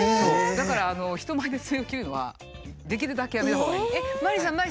だから人前でツメを切るのはできるだけやめたほうがいい。